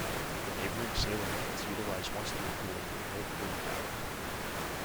The neighboring Salem units utilize once-through cooling with no cooling tower.